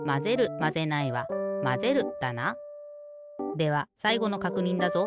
ではさいごのかくにんだぞ。